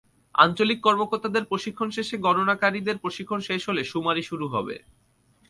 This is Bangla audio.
আঞ্চলিক কর্মকর্তাদের প্রশিক্ষণ শেষে গণনাকারীদের প্রশিক্ষণ শেষ হলে শুমারি শুরু হবে।